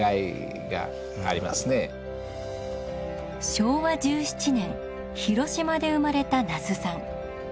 昭和１７年広島で生まれた那須さん。